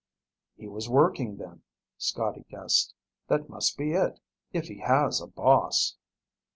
"He was working, then," Scotty guessed. "That must be it, if he has a boss."